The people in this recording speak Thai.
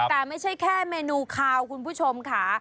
แต่ไม่ใช่แค่เมนูคาวคุณผู้ชมค่ะ